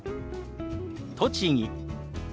「栃木」。